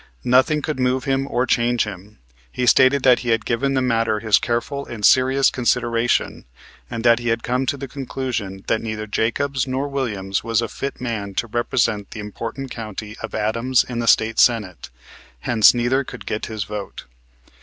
Nothing could move him or change him. He stated that he had given the matter his careful and serious consideration, and that he had come to the conclusion that neither Jacobs nor Williams was a fit man to represent the important county of Adams in the State Senate, hence neither could get his vote.